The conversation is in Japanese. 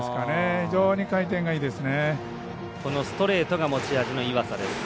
非常に回転がいいですね。